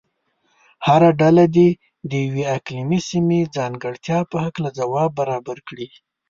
هره ډله دې د یوې اقلیمي سیمې ځانګړتیا په هلکه ځواب برابر کړي.